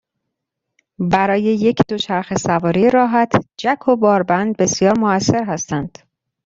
برای یک دوچرخه سواری راحت، جک و باربند بسیار موثر هستند.